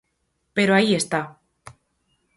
Pero aí está.